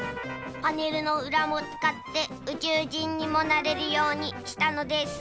パネルのうらもつかってうちゅうじんにもなれるようにしたのです。